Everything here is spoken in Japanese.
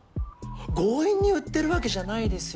強引に売ってるわけじゃないですよ？